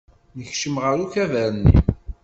Nekcem ɣer ukabar-nni.